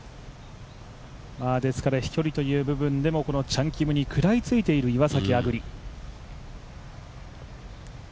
飛距離という部分でも、チャン・キムに食らいついている岩崎亜久竜。